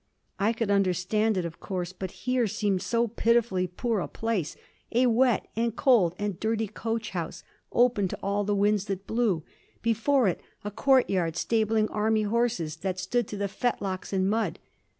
I could understand it, of course, but "here" seemed so pitifully poor a place a wet and cold and dirty coach house, open to all the winds that blew; before it a courtyard stabling army horses that stood to the fetlocks in mud.